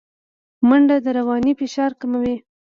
منډه د رواني فشار کموي